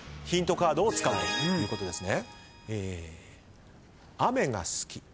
ヒントカードを使うということですね。